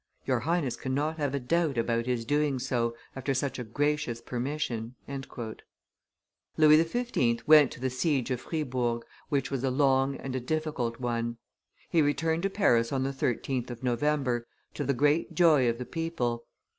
Your Highness cannot have a doubt about his doing so, after such a gracious permission." Louis XV. went to the siege of Fribourg, which was a long and a difficult one. He returned to Paris on the 13th of November, to the great joy of the people.